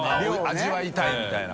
「味わいたい」みたいな。